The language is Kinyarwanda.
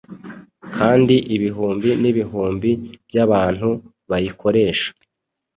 kandi ibihumbi n’ibihumbi by’abantu bayikoresha